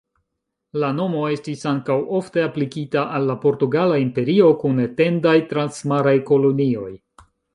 La nomo estis ankaŭ ofte aplikita al la Portugala Imperio, kun etendaj transmaraj kolonioj.